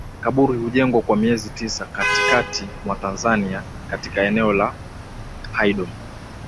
Kaburi hujengwa kwa miezi tisa Katikati mwa Tanzania katika eneo la Hydom